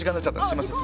すみません。